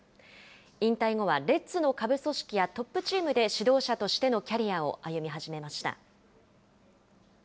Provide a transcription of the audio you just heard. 引退後はレッズの下部組織やトップチームで、指導者としてのキャリアを歩み始めました。